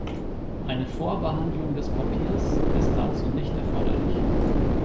Eine Vorbehandlung des Papiers ist dazu nicht erforderlich.